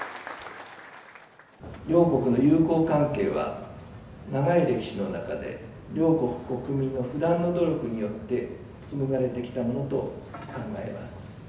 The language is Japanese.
両国の友好関係は長い歴史の中で両国国民の不断の努力によって紡がれてきたものと考えます。